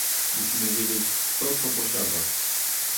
Musimy wiedzieć, kto co posiada